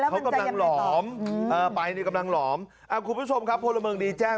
เขากำลังหลอมไปนี่กำลังหลอมคุณผู้ชมครับพลเมืองดีแจ้ง